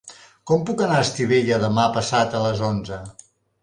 Com puc anar a Estivella demà passat a les onze?